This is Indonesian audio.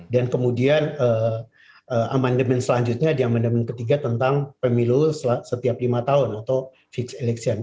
dan kemudian amendement selanjutnya amendement ketiga tentang pemilu setiap lima tahun atau fixed election